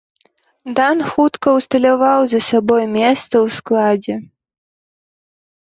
Дан хутка ўсталяваў за сабой месца ў складзе.